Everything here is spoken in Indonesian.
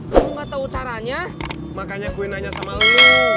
enggak tahu caranya makanya gue nanya sama lu